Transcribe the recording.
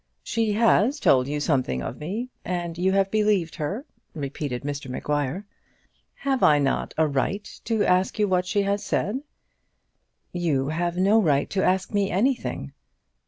"She has told you something of me, and you have believed her?" repeated Mr Maguire. "Have I not a right to ask you what she has said?" "You have no right to ask me anything."